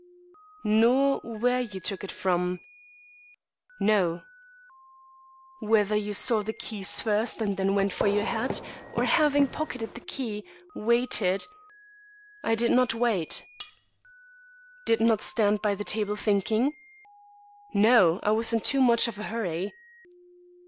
"Nor where you took it from?" "No." "Whether you saw the keys first, and then went for your hat; or having pocketed the key, waited " "I did not wait." "Did not stand by the table thinking?" "No, I was in too much of a hurry."